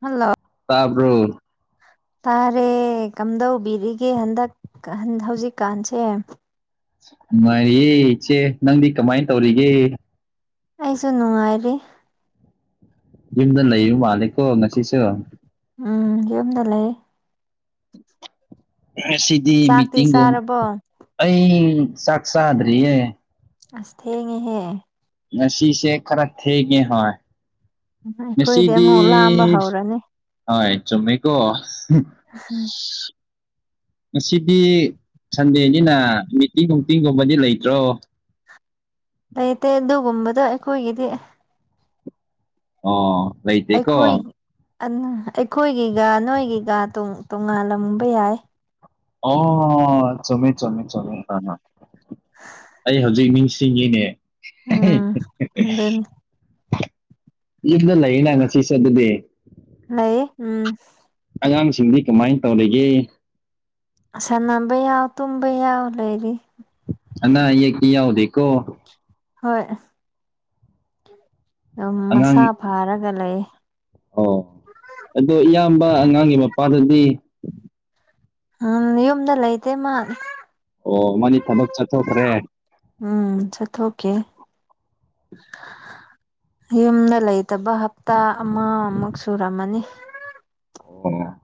hello ꯇꯕ꯭ꯔꯣ ꯇꯥꯔꯦ ꯀꯝꯗꯧꯕꯤꯔꯤꯒꯦ ꯍꯟꯗꯛ ꯍꯧꯖꯤꯛꯀꯥꯟꯁꯦ ꯃꯥꯌꯦ ꯏꯆꯦ ꯅꯪꯗꯤ ꯀꯃꯥꯏꯅ ꯇꯧꯔꯤꯒꯦ ꯑꯩꯁꯨ ꯅꯨꯡꯉꯥꯏꯔꯤ ꯌꯨꯝꯗꯅ ꯂꯩ ꯌ ꯃꯥꯂꯦꯀꯣ ꯉꯁꯤꯁꯨ ꯎꯝ ꯌꯨꯝꯗ ꯂꯩ ꯁꯤꯗꯤ ꯆꯥꯛꯇꯤ ꯃꯤꯇꯤꯡꯒꯨꯝ ꯆꯥꯔꯕꯣ ꯑꯩ ꯆꯥꯛ ꯆꯥꯗ꯭ꯔꯤꯌꯦ ꯑꯁꯦꯡꯉꯦꯍꯦ ꯁꯤꯤꯁꯦ ꯈꯔ ꯊꯒꯦ ꯍ ꯑꯩꯈꯣꯏꯗꯤ ꯃꯦꯁꯤꯗꯤ ꯑꯃꯨꯛ ꯂꯥꯝꯕ ꯍꯧꯔꯅꯤ ꯍ ꯆꯃꯦꯀꯣ ꯉꯁꯤꯗꯤ ꯁꯟꯗꯦꯅꯤꯅ ꯇꯤ ꯅꯨꯡꯇꯤꯒꯨꯝꯕꯗꯤ ꯂꯩꯇ꯭ꯔꯣ ꯂꯩꯇꯦ ꯑꯗꯨꯒꯨꯝꯕꯗꯣ ꯑꯩꯈꯣꯏꯒꯤꯗꯤ ꯑꯣ ꯂꯩꯩꯇ ꯀꯣ ꯑꯩꯈꯣꯏ ꯑꯩꯈꯣꯏꯒꯤꯒ ꯅꯣꯏꯒꯤꯒ ꯇꯣꯉꯥꯜꯂꯝꯕ ꯌꯥꯏ ꯑꯣ ꯁꯃꯦ ꯆꯃꯦ ꯆꯃꯦ ꯀ ꯑꯩ ꯍꯧꯖꯤꯛ ꯅꯤꯡꯁꯤꯡꯉꯅꯦ ꯎꯝ ꯑꯗꯨꯅꯤ ꯌꯨꯝꯗ ꯂꯩꯅ ꯉꯁꯤ ꯆꯠ ꯑꯗꯨꯗꯤ ꯂꯩ ꯎꯝ ꯑꯉꯥꯡꯁꯤꯡꯗꯤ ꯀꯃꯥꯏꯅ ꯇꯧꯔꯤꯒꯦ ꯁꯅꯝꯕ ꯌꯥꯎ ꯇꯨꯕ ꯌꯥꯎꯕ ꯂꯩ ꯂꯩꯔꯤ ꯅ ꯌꯦ ꯀꯌꯥꯎꯗꯀꯣ ꯍꯣꯏ ꯑꯗꯨꯝ ꯃꯁꯥ ꯑꯉꯥꯡ ꯐꯥꯔꯒ ꯂꯩ ꯑꯣ ꯑꯗꯣ ꯏꯌꯥꯝꯕ ꯑꯉꯥꯡꯒꯤ ꯃꯄꯥꯗꯗꯤ ꯎꯝ ꯌꯨꯝꯗ ꯂꯩꯇꯦ ꯃꯥ ꯑꯣ ꯃꯥꯅꯤ ꯊꯕꯛ ꯆꯠꯊꯣꯛꯈ꯭ꯔꯦ ꯎꯝ ꯆꯠꯊꯣꯛꯈꯤ ꯌꯨꯝꯗ ꯂꯩꯇꯕ ꯍꯞꯇꯥ ꯑꯃꯃꯨꯛ ꯁꯨꯔꯝꯃꯅꯤ ꯑꯣ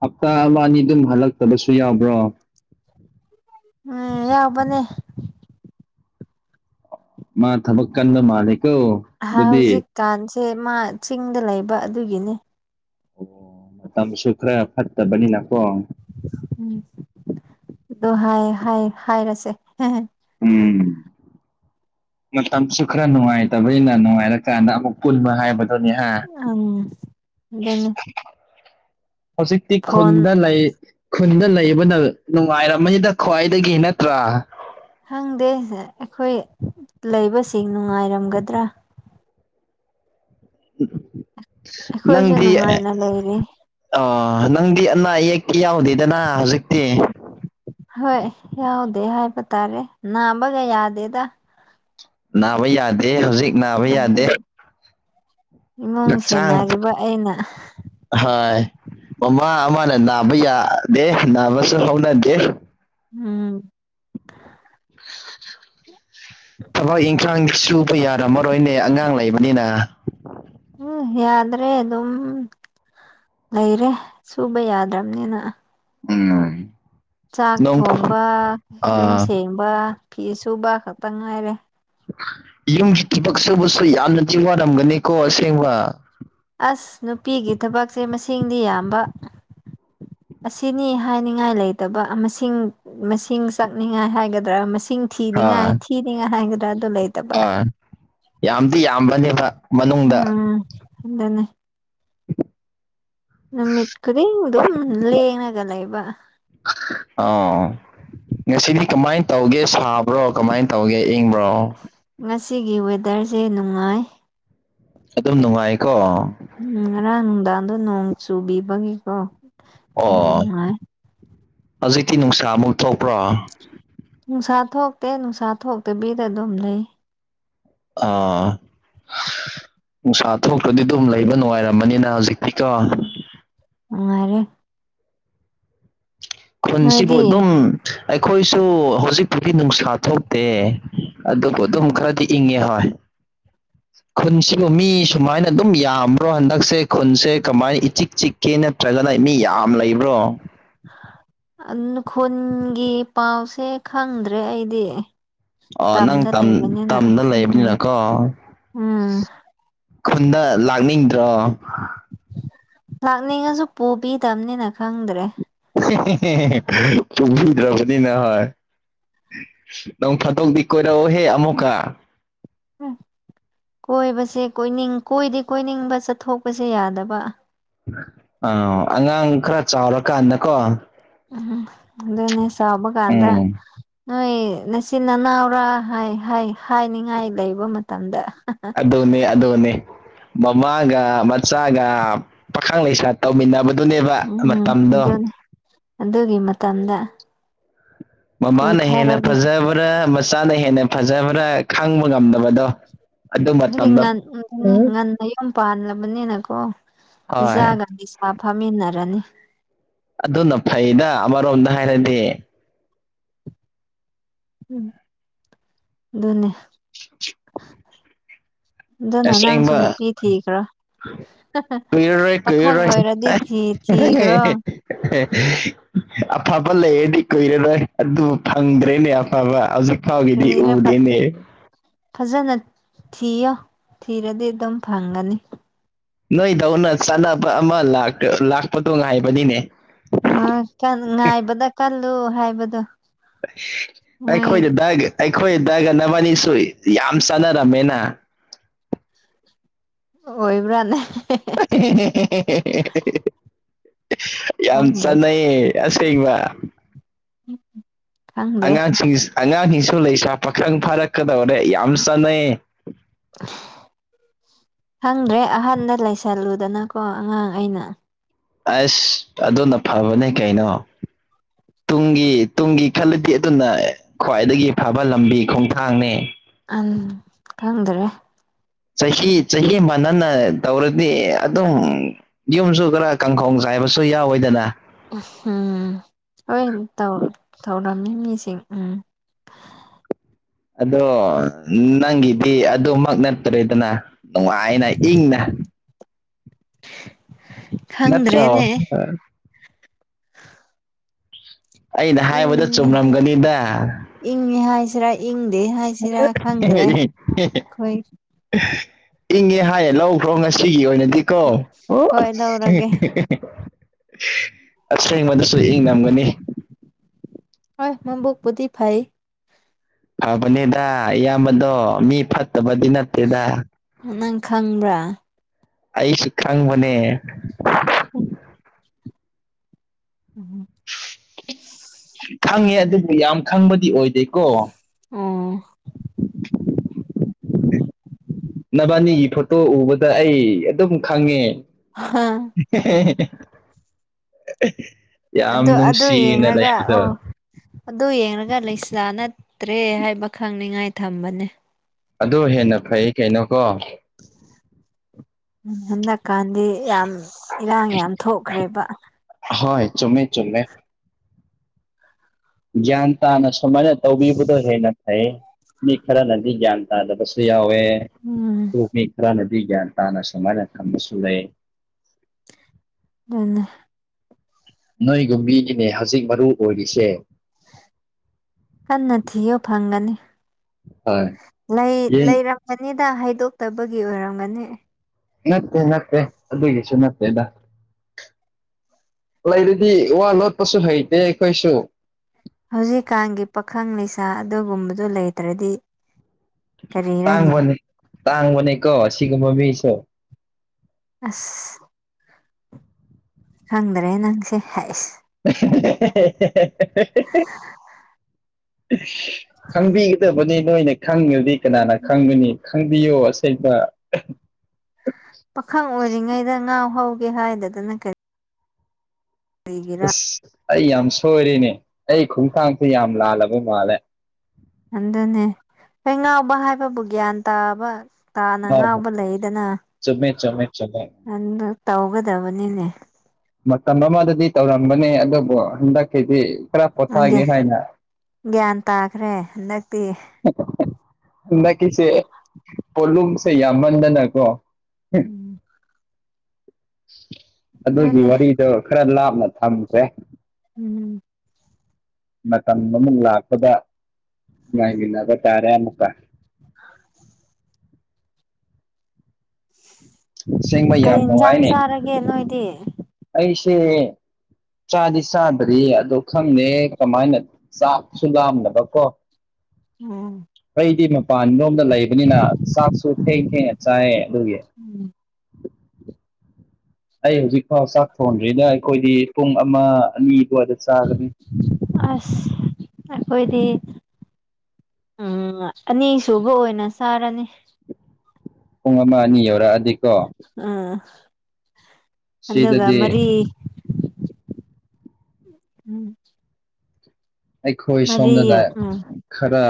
ꯍꯞꯇꯥ ꯑ ꯑꯅꯤꯗꯨꯝ ꯍꯜꯂꯛꯇꯕꯁꯨ ꯌꯥꯎꯕ꯭ꯔꯣ ꯎꯝ ꯌꯥꯕꯅꯦ ꯃꯥ ꯊꯕꯛ ꯀꯟꯕ ꯃꯥꯜꯂꯤ ꯍꯧꯖꯤꯛꯀꯥꯟꯁꯦ ꯃꯥ ꯆꯤꯡꯗ ꯂꯩꯕ ꯑꯗꯨꯒꯤꯅꯤ ꯑꯣ ꯃꯇꯝꯁꯨꯨ ꯈ꯭ꯔ ꯐꯠꯇꯕꯅ ꯎꯝ ꯑꯗꯨ ꯍꯥꯏ ꯍꯥꯢ ꯍꯥꯏꯔꯁꯦ ꯎꯝ ꯃꯇꯝꯁꯨ ꯈꯔ ꯅꯨꯡꯉꯥꯏꯇꯕꯩꯅ ꯅꯨꯡꯉꯥꯏꯔꯀꯥꯟꯗ ꯑꯃꯨꯛ ꯄꯨꯟꯕ ꯍꯥꯏꯕ ꯑꯪ ꯑꯗꯨꯅꯤ ꯍꯧꯖꯤꯛꯇꯤ ꯐꯣꯟ ꯈꯨꯟꯗ ꯂꯩꯏ ꯈꯨꯟꯗ ꯂꯩꯕꯅ ꯅꯨꯡꯉꯥꯏꯔꯝꯃꯅꯤꯗ ꯈ꯭ꯋꯥꯏꯗꯒꯤ ꯅꯠꯇ꯭ꯔꯥ ꯈꯪꯗꯦ ꯑꯩꯈꯣꯏ ꯂꯩꯕꯁꯤꯡ ꯅꯨꯡꯉꯥꯏꯔꯝꯒꯗ꯭ꯔꯥ ꯑꯩꯈꯣꯏꯁꯨ ꯅꯪꯗꯤ ꯑꯣ ꯅꯨꯡꯉꯥꯏꯅ ꯂꯩꯔꯤ [unintelligible] ꯅꯪꯗꯤ ꯑꯅꯥ ꯑꯌꯦꯛꯇꯤ ꯌꯥꯎꯗꯦꯗꯅꯥ ꯍꯧꯖꯤꯛꯇꯤ ꯍꯣꯏ ꯌꯥꯎꯗꯦ ꯍꯥꯏꯕ ꯇꯥꯔꯦ ꯅꯥꯕꯒ ꯌꯥꯗꯦꯗ ꯅꯥꯕ ꯌꯥꯗꯦ ꯍꯧꯖꯤꯛ ꯅꯥꯕ ꯌꯥꯗꯦ ꯏꯃꯨꯡ ꯍꯛꯆꯥꯡ ꯁꯦꯟꯅꯔꯤꯕ ꯑꯩꯅ ꯍꯣꯏ ꯃꯃꯥ ꯑꯃꯅ ꯅꯥꯕ ꯌꯥꯗꯦ ꯅꯥꯕꯁꯨ ꯍꯧꯅꯗꯦ ꯎꯝ ꯊꯕꯛ ꯏꯟꯈꯥꯡ ꯁꯨꯕ ꯌꯥꯔꯝꯃꯔꯣꯏꯅꯦ ꯑꯉꯥꯡ ꯂꯩꯕꯅꯤꯅ ꯎꯝ ꯌꯥꯗ꯭ꯔꯦ ꯑꯗꯨꯝ ꯂꯩꯔꯦ ꯁꯨꯕ ꯌꯥꯗ꯭ꯔꯝꯅꯤꯅ ꯎꯝ ꯆꯥꯛ ꯅꯣꯡ ꯊꯣꯡꯕ ꯌꯨꯝ ꯑ ꯁꯦꯡꯕ ꯐꯤ ꯁꯨꯕ ꯈꯛꯇ ꯉꯥꯏꯔꯦ ꯌꯨꯝꯒꯤ ꯊꯕꯛꯁꯨꯕꯁꯨ ꯌꯥꯝꯅꯗꯤ ꯋꯥꯔꯝꯒꯅꯤꯀꯣ ꯑꯁꯦꯡꯕ ꯑꯁ ꯅꯨꯄꯤꯒꯤ ꯊꯕꯛꯁꯦ ꯃꯁꯤꯡꯗꯤ ꯌꯥꯝꯕ ꯑꯁꯤꯅꯤ ꯍꯥꯏꯅꯤꯡꯉꯥꯏ ꯂꯩꯇꯕ ꯑꯃꯁꯤꯡ ꯃꯁꯤꯡ ꯆꯥꯛꯅꯤꯡꯉꯥꯏ ꯍꯥꯏꯒꯗ꯭ꯔꯥ ꯃꯁꯤꯡ ꯊꯤꯅꯤꯡꯉꯥꯏ ꯊꯤꯅꯤꯡꯉꯥꯏ ꯍꯥꯏ ꯊꯤ ꯑꯥ ꯌꯥꯝꯗꯤ ꯌꯥꯝꯕꯅꯦꯕ ꯃꯅꯨꯡꯗ ꯎꯝ ꯑꯗꯨꯅꯦ ꯅꯨꯃꯤꯠ ꯈꯨꯗꯤꯡ ꯗꯨꯝ ꯂꯦꯡꯔꯒ ꯂꯩꯕ ꯑꯣ ꯉꯁꯤꯗꯤ ꯀꯃꯥꯏꯅ ꯇꯧꯒꯦ ꯁꯥ ꯕ꯭ꯔꯣ ꯀꯃꯥꯏꯅ ꯇꯧꯒꯦ ꯏꯪꯕ꯭ꯔꯣ ꯉꯁꯤꯒꯤ ꯋꯦꯗꯔꯁꯦ ꯅꯨꯡꯉꯥꯏ ꯑꯗꯨꯝ ꯅꯨꯡꯉꯥꯏꯌꯦꯀꯣ ꯑꯗꯨ ꯅꯣꯡ ꯅꯨꯕꯤꯕꯒꯤꯀꯣ ꯌꯥꯝ ꯑꯣ ꯅꯨꯡꯉꯥꯏ ꯍꯧꯖꯤꯛꯇꯤ ꯅꯨꯡꯁꯥ ꯑꯃꯨꯛ ꯊꯣꯛꯄ꯭ꯔꯣ ꯅꯨꯡꯁꯥ ꯊꯣꯛꯇꯦ ꯅꯨꯡꯁꯥ ꯊꯣꯛꯇꯕꯤꯗ ꯑꯗꯨꯝ ꯂꯩ ꯑꯣ꯬꯬꯬ ꯅꯨꯡꯁꯥ ꯊꯣꯛꯇ꯭ꯔꯗꯤ ꯑꯗꯨꯝ ꯂꯩꯕ ꯅꯨꯡꯉꯥꯏꯔꯝꯃꯅꯤꯅ ꯍꯧꯖꯤꯛ ꯇꯤꯀꯣ ꯎꯝ ꯅꯨꯡꯉꯥꯏꯔꯦ ꯈꯨꯟꯁꯤꯕꯨ ꯅꯣꯏꯗꯤ ꯑꯗꯨꯝ ꯑꯩꯈꯣꯏꯁꯨ ꯍꯧꯖꯤꯛꯄꯨꯗꯤ ꯅꯨꯡꯁꯥ ꯊꯣꯛꯇꯦ ꯑꯗꯨꯕꯨ ꯎꯝ ꯑꯗꯨꯝ ꯈꯔꯗꯤ ꯏꯪꯉꯦ ꯍꯣꯏ ꯈꯨꯟꯁꯤꯕꯨ ꯃꯤ ꯁꯨꯃꯥꯏꯅ ꯑꯗꯨꯝ ꯌꯥꯝꯕ꯭ꯔꯣ ꯍꯟꯗꯛꯁꯦ ꯈꯨꯟꯁꯦ ꯀꯃꯥꯏ ꯏꯆꯤꯛ ꯆꯤꯛꯀꯦ ꯅꯠꯇ꯭ꯔꯒꯅ ꯃꯤ ꯌꯥꯝ ꯑꯥꯝ ꯂꯩꯕ꯭ꯔꯣ ꯑꯪ ꯈꯨꯟꯒꯤ ꯄꯥꯎꯁꯦ ꯈꯪꯗ꯭ꯔꯦ ꯑꯩꯗꯤ ꯑ ꯅꯪ ꯇꯝꯗ ꯇꯝ ꯂꯩꯕꯅꯤꯅ ꯇꯝꯗ ꯎꯝ ꯂꯩꯕꯅꯤꯅꯀꯣ ꯎꯝ ꯈꯨꯟꯗ ꯂꯥꯛꯅꯤꯡꯗ꯭ꯔꯣ ꯂꯥꯛꯅꯤꯡꯉꯁꯨ ꯄꯨꯕꯤꯗꯕꯅꯤꯅ ꯈꯪꯗ꯭ꯔꯦ ꯍꯦ ꯍꯦ [unintelligible] ꯍꯦ ꯄꯨꯕꯤꯗ꯭ꯔꯕꯅꯤꯅ ꯍꯣꯏ ꯅꯣꯡ ꯐꯥꯗꯣꯛꯗꯤ ꯀꯣꯏꯔꯛꯑꯣꯍꯦ ꯑꯃꯨꯛꯀ ꯎꯝ [unintelligible] ꯀꯣꯏꯕꯁꯦ ꯀꯣꯏꯅꯤꯡ ꯀꯣꯏꯗꯤ ꯀꯣꯏꯅꯤꯡꯕ ꯆꯠꯊꯣꯛꯄꯁꯦ ꯌꯥꯗꯕ ꯑꯥ ꯑꯉꯥꯡ ꯈꯔ ꯆꯥꯎꯔ ꯀꯥꯟꯗꯀꯣ [unintelligible] ꯁꯥꯕ ꯀꯥꯟꯗ ꯎꯝ ꯅꯣꯏ ꯅꯆꯤꯟ ꯅꯅꯥꯎꯔꯥ ꯍꯥꯏ ꯍꯥꯏ ꯍꯥꯏꯅꯤꯡꯉꯥꯏ ꯂꯩꯕ ꯃꯇꯝꯗ ꯑꯗꯨꯅꯤ ꯑꯗꯨꯅꯤ ꯃꯃꯥꯒ ꯃꯆꯥꯒ ꯄꯥꯈꯪ ꯂꯩꯁꯥ ꯇꯧꯃꯤꯟꯅꯕ ꯑꯗꯨꯅꯦꯕ ꯎꯝ ꯃꯇꯝꯗꯣ ꯇꯝꯗ ꯃꯃꯥꯅ ꯍꯦꯟꯅ ꯐꯖꯕ꯭ꯔꯥ ꯃꯆꯥꯅ ꯍꯦꯟꯅ ꯐꯖꯕ꯭ꯔꯥ ꯈꯪꯕ ꯉꯝꯗꯕꯗꯣ ꯑꯗꯨ ꯍꯥꯏꯗꯤ ꯃꯇꯝꯗꯣ ꯉꯟ ꯉꯟ [unintelligible] ꯉꯟꯅ ꯌꯨꯝ ꯄꯥꯟꯜꯂꯕꯅꯤꯅꯀꯣ ꯍꯣꯏ ꯏꯆꯥꯒ ꯂꯩꯁꯥ ꯐꯥꯃꯤꯟꯅꯔꯅꯤ ꯑꯗꯨꯅ ꯐꯩꯗ ꯑꯃꯔꯣꯝꯗ ꯍꯥꯏꯔꯗꯤ ꯎꯝ ꯑꯗꯨ ꯑꯗꯨꯅꯦ ꯑꯗꯨꯅ ꯅꯪꯁꯨ ꯑꯁꯦꯡꯕ ꯅꯨꯄꯤ ꯊꯈ꯭ꯔꯣ [inaudible] ꯀꯨꯏꯔꯔꯣꯏ ꯀꯨꯏꯔꯔꯣꯏ ꯑꯣꯏꯔꯗꯤ ꯊꯤ ꯊꯤꯈ꯭ꯔꯣ ꯑꯐꯕ ꯂꯩꯔꯗꯤ ꯀꯨꯏꯔꯔꯣꯏ ꯑꯗꯨ ꯐꯪꯗ꯭ꯔꯦꯅꯦ ꯑꯐꯕ ꯍꯧꯖꯤꯛ ꯍꯗꯤ ꯀꯔꯤꯔ ꯐ ꯎꯗꯦꯅꯦ ꯐꯖꯅ ꯊꯤꯌꯣ ꯊꯤꯔꯗꯤ ꯑꯗꯨꯝ ꯐꯪꯒꯅꯤ ꯅꯣꯏꯗꯧꯅ ꯆꯥꯟꯅꯕ ꯑꯃ ꯂꯥꯛꯄꯗꯣ ꯉꯥꯏꯕꯅꯤꯅꯦ ꯑ ꯉꯥꯏꯕꯗ ꯀꯜꯂꯨ ꯍꯥꯏꯕꯗꯣ ꯃꯣꯏ ꯑꯩꯈꯣꯏ ꯆꯗꯒꯦ ꯑꯩꯈꯣꯏ ꯗꯒꯅꯕꯅꯤꯁꯨ ꯌꯥꯝ ꯆꯥꯟꯅꯔꯝꯃꯦꯅ ꯑꯣꯏꯣꯏꯕ꯭ꯔꯥꯅꯦ [inaudible] ꯌꯥꯝ ꯆ ꯈꯪꯗꯦ ꯅꯌꯦ ꯑꯁꯦꯕ ꯈꯪꯗ꯭ꯔꯦ ꯑꯅꯥꯖꯤꯁ ꯑꯅꯥꯖꯤꯁ ꯂꯩꯁꯥ ꯄꯥꯈꯪ ꯐꯥꯔꯛꯀꯗꯧꯔꯦ ꯌꯥꯝ ꯆꯥꯟꯅꯩ [inaudible] ꯈꯪꯗ꯭ꯔꯦ ꯑꯍꯟꯗ ꯂꯩꯁꯜꯂꯨꯗꯅꯀꯣ ꯑꯉꯥꯡ ꯑꯩꯅ ꯑꯁ ꯑꯣꯅ ꯐꯕꯅꯦ ꯀꯩꯅꯣ ꯇꯨꯡꯒꯤ ꯇꯨꯡꯒꯤ ꯈꯜꯂꯗꯤ ꯑꯗꯨꯅ ꯈ꯭ꯋꯥꯏꯗꯒꯤ ꯐꯕ ꯂꯝꯕꯤ ꯈꯣꯡꯊꯥꯡꯅꯤ ꯑ ꯈꯪꯗꯔꯦ ꯆꯍꯤ ꯆꯍꯤ ꯃꯅꯅ ꯇꯧꯔꯗꯤ ꯑꯗꯨꯝ ꯌꯨꯝꯁꯨ ꯈꯔ ꯀꯥꯡꯈꯣꯡ ꯆ ꯄꯥꯏꯕꯁꯨ ꯌꯥꯎꯋꯦꯗꯅ ꯎꯝ ꯍꯣꯏ ꯇꯧꯔꯝꯃꯤ ꯃꯤꯁꯤꯡ ꯎꯝ [inaudible] ꯑꯗꯣ ꯅꯪꯒꯤꯗꯤ ꯑꯗꯨꯃꯛ ꯅꯠꯇꯔꯦꯗꯅ ꯅꯨꯡꯉꯥꯏꯅ ꯏꯪꯅ [inaudible] ꯅꯠꯇ꯭ꯔ ꯈꯪꯗ꯭ꯔꯦꯅꯦ ꯑꯩꯅ ꯏꯪ ꯍꯥꯏꯕꯗ ꯆꯨꯝꯔꯝꯒꯅꯤꯗ ꯏꯪꯍꯁꯔꯥ ꯏꯪ ꯍꯥꯏꯁꯤꯔꯥ ꯈꯪꯗ꯭ꯔꯦ ꯑꯩꯈꯣꯏ ꯏꯪꯉꯦ ꯍꯥꯏꯌꯦ ꯂꯧꯈ꯭ꯔꯣ ꯉꯁꯤꯒꯤ ꯑꯣꯏꯅꯗꯤ ꯀꯣ ꯑꯣ ꯍꯣꯏ ꯂꯧꯔꯒꯦ ꯑꯁꯦꯡꯕꯗꯁꯨ ꯏꯪ ꯅꯝꯒꯅꯤ ꯍ ꯃꯝꯕꯨꯣꯛ ꯄꯗꯤꯞ ꯍꯥꯏꯥꯏ ꯐꯕꯅꯦꯗ ꯏꯌꯥꯝꯕꯗꯣ ꯃꯤ ꯐꯠꯇꯕꯗꯤ ꯅꯠꯇꯦꯗ ꯅꯪ ꯈꯪꯕ꯭ꯔꯥ ꯑꯩꯁꯨ ꯈꯪꯕꯅꯦ ꯎꯝ ꯈꯪꯉꯦ ꯑꯗꯨꯕꯨ ꯌꯥꯝ ꯈꯪꯕꯗꯤ ꯑꯣꯏꯦ ꯑꯥ ꯅꯕꯥꯅꯤꯒꯤ ꯐꯣꯇꯣ ꯎꯕꯗ ꯑꯩ ꯑꯗꯨꯝ ꯈꯪꯉꯦ [inaudible] ꯑꯗꯨ ꯑꯗꯨ ꯅꯨꯡꯁꯤꯅ ꯌꯦꯡꯒ ꯂꯩꯕꯗꯣ ꯑꯣ ꯑꯗꯨꯡꯒ ꯂꯩꯁꯥ ꯅꯠꯇ꯭ꯔꯦ ꯍꯥꯏꯕ ꯈꯪꯅꯤꯉꯥꯏ ꯊꯝꯕꯅꯦ ꯕ꯭ꯔꫭ ꯎꯝ ꯍꯟꯗꯛꯀꯥꯟꯗꯤ ꯌꯥꯝ ꯏꯔꯥꯡ ꯌꯥꯝ ꯊꯣꯛꯈ꯭ꯔꯦꯕ ꯍꯣꯏ ꯆꯃꯦ ꯆꯃꯦ ꯒ꯭ꯌꯥꯟ ꯇꯥꯅ ꯁꯨꯃꯥꯏꯅ ꯇꯧꯕꯤꯕꯗꯣ ꯍꯦꯟꯅ ꯐꯩ ꯃꯤ ꯈꯔꯅꯗꯤ ꯒ꯭ꯌꯥꯟ ꯇꯥꯗꯕꯁꯨ ꯌꯥꯎꯋꯦ ꯎꯝ ꯑꯗꯨ ꯃꯤ ꯈꯔꯅꯗꯤ ꯒ꯭ꯌꯥꯟ ꯇꯥꯅ ꯁꯨꯃꯥꯏꯅ ꯊꯝꯕꯁꯨ ꯂꯩ ꯑꯗꯨꯅꯦ ꯅꯣꯏꯒꯨꯝꯕꯤꯒꯤꯅꯦ ꯍꯧꯖꯤꯛ ꯃꯔꯨ ꯑꯣꯏꯔꯤꯁꯦ ꯀꯅ ꯊ ꯌ ꯐꯪꯒꯅꯤ ꯍꯣꯏ ꯌꯦꯡ ꯂꯩꯔꯝꯒꯅꯤꯗ ꯍꯥꯏꯗꯣꯛꯇꯕꯒꯤ ꯑꯣꯏꯔꯝꯒꯅꯤ ꯅꯠꯇꯦ ꯅꯠꯇꯦ ꯑꯗꯨ ꯑꯗꯨꯒꯤꯁꯨ ꯅꯦꯗ ꯂꯩꯔꯗꯤ ꯋꯥ ꯂꯣꯠꯄꯁꯨ ꯍꯩꯇꯦ ꯑꯩꯈꯣꯏꯁꯨ ꯍꯧꯖꯤꯛꯀꯥꯟꯒꯤ ꯄꯥꯈꯪ ꯂꯩꯅꯤꯁꯥ ꯑꯗꯨꯒꯨꯝꯕꯗꯨ ꯂꯩꯇ꯭ꯔꯗꯤ ꯀꯔꯤꯔꯅꯦ ꯇꯥꯡꯕꯅꯦ ꯀꯣ ꯁꯤꯒꯨꯝ ꯃ ꯃꯤꯁꯨ ꯑꯁ ꯍꯪꯗ꯭ꯔꯦ ꯅꯪꯁꯦ ꯍꯥꯏꯁ [inaudible] ꯈꯪꯕꯤꯒꯗꯕꯅꯤ ꯅꯣꯏꯅ ꯈꯪꯉꯕꯗꯤ ꯀꯅꯥꯅ ꯈꯪꯒꯣꯏꯅꯤ ꯈꯪꯕꯤꯌꯣ ꯑꯁꯕ ꯄꯥꯈꯪ ꯑꯣꯏꯔꯤꯉꯩꯗ ꯉꯥꯎ ꯍꯧꯒꯦ ꯍꯥꯏꯗꯗꯅ ꯀꯔꯤ ꯑꯁ ꯑꯩ ꯌꯥꯝ ꯁꯣꯏꯔꯤꯅꯦ ꯑꯩ ꯈꯣꯡꯊꯥꯡꯁꯦ ꯌꯥꯝ ꯂꯥꯜꯂꯕ ꯃꯥꯜꯂꯦ ꯑꯗꯨꯅꯦ ꯍꯣꯏ ꯉꯥꯎꯕ ꯍꯥꯏꯕꯕꯨ ꯒ꯭ꯌꯥꯟ ꯇꯥꯕ ꯇꯥꯅ ꯍꯣꯏ ꯍꯣꯏ ꯉꯥꯎꯕ ꯂꯩꯗꯅ ꯆꯨꯝꯃꯦ ꯆꯨꯝꯃꯦ ꯆꯨꯝꯃꯦ ꯑꯗꯨ ꯇꯧꯒꯗꯕꯅꯤꯅꯦ ꯃꯇꯝ ꯑꯃꯗꯗꯤ ꯇꯧꯔꯝꯕꯅꯦ ꯑꯗꯨꯕꯨ ꯍꯟꯗꯛꯀꯤꯗꯤ ꯅꯪꯒꯤ ꯄꯣꯊꯥꯒꯦ ꯍꯥꯏꯅ ꯒ꯭ꯌꯥꯟ ꯇꯥꯈ꯭ꯔꯦ ꯍꯟꯗꯛꯇꯤ ꯍꯟꯗꯛꯀꯤꯁꯦ ꯄꯣꯠꯂꯨꯝꯁꯦ ꯌꯥꯝꯃꯟꯗꯅꯀꯣ ꯎꯝ ꯑꯗꯨꯒꯤ ꯑꯗꯨꯅꯦ ꯋꯥꯔꯤꯗꯣ ꯈꯔ ꯂꯥꯞꯅ ꯊꯝꯈ꯭ꯔꯦ ꯎꯝ ꯃꯇꯝ ꯑꯃ ꯂꯥꯛꯄꯗ ꯉꯥꯏꯃꯤꯟꯅꯕ ꯇꯥꯔꯦ ꯑꯃꯨꯛꯀ ꯑꯁꯦꯡꯕ ꯀꯩ ꯌꯥꯝ ꯌꯦꯟꯁꯥꯡ ꯆꯥꯔꯒꯦ ꯅꯣꯏꯗꯤ ꯁꯦ ꯆꯥꯗꯤ ꯆꯥꯗ꯭ꯔꯤ ꯑꯗꯣ ꯈꯪꯗꯦ ꯀꯃꯥꯏꯅ ꯆꯥꯛꯁꯨ ꯂꯥꯝꯅꯕꯀꯣ ꯎꯝ ꯑꯩꯗꯤ ꯃꯄꯥꯟ ꯂꯣꯝꯗ ꯂꯩꯕꯅꯤꯅ ꯆꯥꯛꯁꯨ ꯊꯦꯡ ꯊꯦꯡꯅ ꯆꯥꯏꯌꯦ ꯑꯗꯨꯒꯤ [inaudible] ꯑꯩ ꯍꯧꯖꯤꯛꯐꯥꯎ ꯆꯥꯛ ꯊꯣꯟꯗ꯭ꯔꯤꯗ ꯑꯩꯈꯣꯏꯗꯤ ꯄꯨꯡ ꯑꯃ ꯑꯅꯤ ꯀꯗ ꯆꯥꯒꯅꯤ ꯑꯣꯏꯣꯏꯗꯤ ꯎꯝ ꯑꯅꯤꯁꯨꯕ ꯑꯣꯏꯅ ꯆꯥꯔꯅꯤ ꯄꯨꯡ ꯑꯃ ꯑꯅꯤ ꯌꯧꯔꯥ ꯑꯗꯨ ꯎꯝ ꯑꯒ ꯁꯤꯗꯗꯤ ꯃꯔꯤ ꯎꯝ ꯑꯩꯈꯣꯏ ꯃꯔꯤ ꯁꯣꯝꯗꯅ ꯎꯝ ꯈꯔ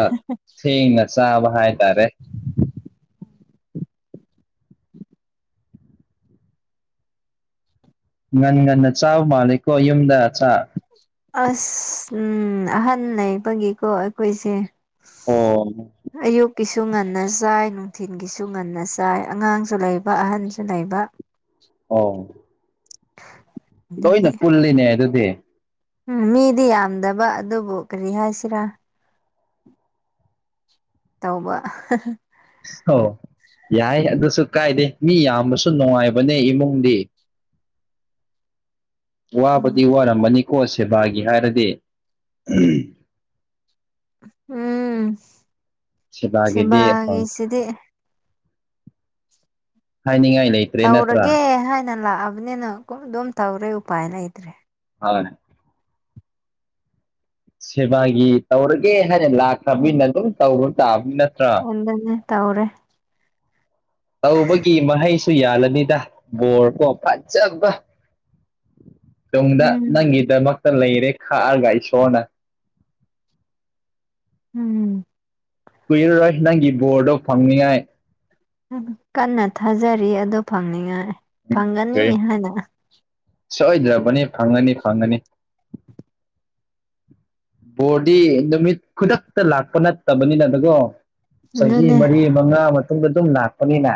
ꯊꯦꯡꯅ ꯆꯥꯕ ꯍꯥꯏ ꯇꯔꯦ [inaudible] ꯉ ꯉꯟꯗ ꯆꯥꯎ ꯃꯥꯂ ꯀꯣ ꯌꯨꯝꯗ ꯆ ꯑꯁ ꯎ ꯑꯍꯟ ꯂꯩꯕꯒꯤꯀꯣ ꯑꯩꯈꯣꯏꯁꯦ ꯑꯣ ꯀꯁꯨ ꯉꯟꯅ ꯆꯥꯏ ꯅꯨꯡꯊꯤꯜꯒꯤꯁꯨ ꯉꯟꯅ ꯆꯥꯏ ꯑꯉꯥꯡꯁꯨ ꯂꯩꯕ ꯑꯍꯟꯁꯨ ꯂꯩꯕ ꯑ ꯑꯗꯨꯒꯤ ꯂꯣꯏꯅ ꯄꯨꯜꯂꯤꯅꯦ ꯑꯗꯨꯗꯤ ꯎꯝ ꯃꯤꯗꯤ ꯌꯥꯝꯗꯕ ꯑꯗꯨꯕꯨ ꯀꯔꯤ ꯍꯥꯏꯁꯤꯔꯥ ꯇꯧꯕ ꯍ ꯌꯥꯏ ꯑꯗꯨꯁꯨ ꯀꯥꯏꯗꯦ ꯃꯤ ꯌꯥꯝꯕꯁꯨ ꯅꯨꯡꯉꯥꯏꯕꯅꯦ ꯏꯃꯨꯡꯗꯤ [inaudible] ꯋꯥꯕꯗꯤ ꯋꯥꯔꯝꯕꯅꯤꯀꯣ ꯁꯦꯕꯥꯒꯤ ꯍꯥꯏꯔꯗꯤ ꯎꯝ ꯁꯦꯕꯥꯒꯤꯗꯤ ꯍꯣꯏ ꯁꯤꯕꯒꯤꯁꯤꯗꯤꯦ ꯍꯥꯏꯅꯤꯡꯉꯥꯏ ꯂꯩꯇ꯭ꯔꯦ ꯅꯠꯇ꯭ꯔꯥ ꯇꯧꯔꯒꯦ ꯍꯥꯏꯅ ꯂꯥꯛꯑꯕꯅꯤꯅ ꯑꯗꯨꯝ ꯇꯧꯔꯦ ꯎꯄꯥꯏ ꯂꯩꯇ꯭ꯔꯦ ꯑꯅꯦ ꯁꯦꯕꯥꯒꯤ ꯇꯧꯔꯒꯦ ꯍꯥꯏꯅ ꯂꯥꯛꯈ꯭ꯔꯕꯅꯤꯅ ꯑꯗꯨꯝ ꯇꯧꯔꯨ ꯇꯥꯕꯅꯤꯅ ꯍꯗꯅꯦ ꯇꯧ꯭ꯔꯦ ꯇꯧꯕꯒꯤ ꯃꯍꯩꯁꯨ ꯌꯥꯜꯂꯅꯤꯗ ꯕꯣꯔ ꯀꯣ ꯐꯖꯕ [inaudible] ꯇꯨꯡꯗ ꯎꯝ ꯅꯪꯒꯤꯗꯃꯛ ꯂꯩꯔꯦ ꯈꯥꯔꯒꯥꯏꯁꯣꯅ ꯎꯝ ꯀꯨꯏꯔꯔꯣꯏ ꯅꯪꯒꯤ ꯕꯣꯔꯗꯣ ꯐꯪꯅꯤꯉꯥꯏ ꯀꯟꯅ ꯊꯥꯖꯔꯤ ꯑꯗꯨ ꯐꯪꯅꯤꯉꯥꯏ ꯎꯝ ꯐꯪꯒꯅꯤ ꯀꯔꯤ ꯍꯥꯏꯅ ꯁꯣꯏꯗ꯭ꯔꯕꯅꯤ ꯐꯪꯒꯅꯤ ꯐꯪꯒꯅꯤ ꯕꯣꯔꯗꯤ ꯅꯨꯃꯤꯠ ꯈꯨꯗꯛꯇ ꯂꯥꯛꯄ ꯅꯠꯇꯕꯅꯤꯅ ꯑꯗꯨꯒꯣ ꯆꯍꯤ ꯑꯗꯨꯅꯦ ꯃꯔꯤ ꯃꯉꯥ ꯃꯇꯨꯡꯗ ꯑꯗꯨꯝ ꯂꯥꯛꯄꯅꯤꯅ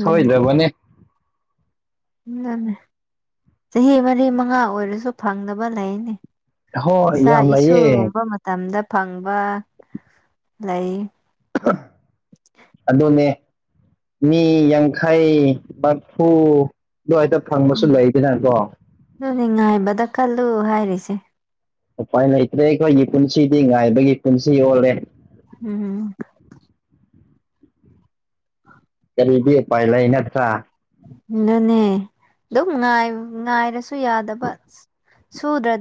ꯁꯣꯏꯗꯕꯅꯤ ꯅꯦ ꯆꯍꯤ ꯃꯔꯤ ꯃꯉꯥ ꯑꯣꯏꯔꯁꯨ ꯐꯪꯗꯕ ꯂꯩꯅꯤ ꯍꯣꯏ ꯏꯆꯥ ꯌꯥꯝ ꯂꯩꯌꯦ ꯏꯁꯨꯒꯨꯝꯕ ꯃꯇꯝꯗ ꯐꯪꯕ ꯂꯩ ꯑꯗꯨꯗꯟꯅꯦ ꯃꯤ ꯌꯥꯡꯈꯩ ꯕꯥꯔꯐꯨ ꯑꯗꯣ ꯍꯦꯛꯇ ꯐꯪꯕꯁꯨ ꯂꯩꯗꯅꯀꯣ ꯑꯗꯨ ꯉꯥꯏꯕꯗ ꯈꯜꯂꯨ ꯍꯥꯏꯔꯤꯁꯦ ꯎꯄꯥꯏ ꯂꯩꯇ꯭ꯔꯦ ꯑꯩꯈꯣꯏꯒꯤ ꯄꯨꯟꯁꯤꯗꯤ ꯉꯥꯏꯕꯒꯤ ꯄꯨꯟꯁꯤ ꯑꯣꯜꯂꯦ ꯎꯝ ꯀꯔꯤꯗꯤ ꯄꯥꯏꯂ ꯏꯩꯅꯠ꯭ꯔ ꯑꯗꯨꯅꯦ ꯑꯗꯨꯝ ꯉꯥꯏꯔꯁꯨ ꯌꯥꯗꯕ ꯁꯨꯗ꯭ꯔꯗꯤ